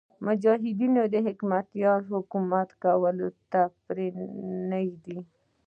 مجاهدین به حکمتیار ته حکومت کولو ته پرې نه ږدي.